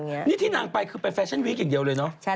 นี่ที่นางไปคือไปแฟชั่นวีคอย่างเดียวเลยเนอะ